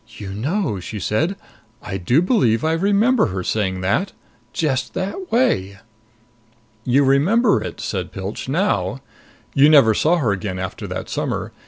"You know," she said, "I do believe I remember her saying that just that way!" "You remember it," said Pilch, "now. You never saw her again after that summer.